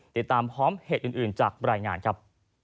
ติดตามพร้อมเหตุอื่นจากรายงานครับ